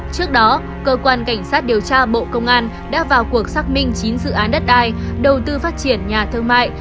trước đó cơ quan cảnh sát điều tra bộ công an đã vào cuộc xác minh chín dự án đất đai đầu tư phát triển nhà thương mại